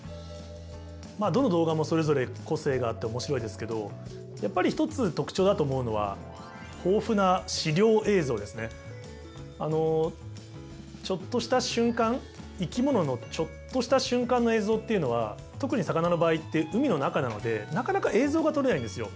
まあどの動画もそれぞれ個性があって面白いですけどやっぱり一つ特徴だと思うのはあのちょっとした瞬間生き物のちょっとした瞬間の映像っていうのは特に魚の場合って海の中なのでなかなか映像が撮れないんですよ。